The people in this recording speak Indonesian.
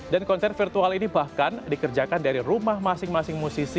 dan konser virtual ini bahkan dikerjakan dari rumah masing masing musisi yang memiliki konser virtual